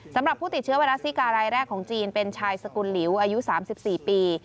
สำหรับผู้ติดเชื้อไวรัสซิการายแรกของจีนเป็นชายสกุลหลิวอายุ๓๔ปี